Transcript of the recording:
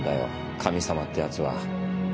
神様ってやつは。